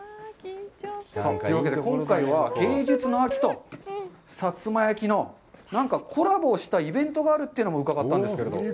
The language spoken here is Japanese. さあ、というわけで、今回は芸術の秋と薩摩焼の何かコラボをしたイベントがあるというのも伺ったんですけども。